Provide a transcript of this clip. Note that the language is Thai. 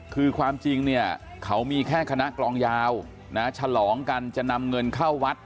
คือความจริงเนี่ยเขามีแค่คณะกลองยาวนะฉลองกันจะนำเงินเข้าวัด